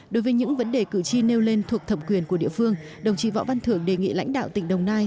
đối với những vấn đề cử tri nêu lên thuộc thẩm quyền của địa phương đồng chí võ văn thưởng đề nghị lãnh đạo tỉnh đồng nai